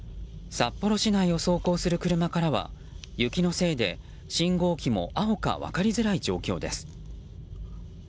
札幌市内を走行する車からは雪のせいで信号機も青か分かりづらい状況です。